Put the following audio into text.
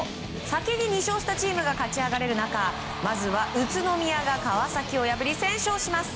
先に２勝したチームが勝ち上がれる中まずは宇都宮が川崎を破り先勝します。